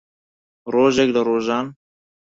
ڕۆژێک لە ڕۆژان